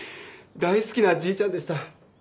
大好きなじいちゃんでした。